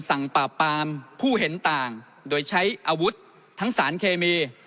ปราบปามผู้เห็นต่างโดยใช้อาวุธทั้งสารเคมี